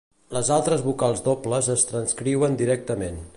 Les altres vocals dobles es transcriuen directament.